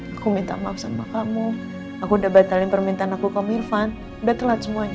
aku minta maaf sama kamu aku udah batalin permintaan aku ke mirfan udah telat semuanya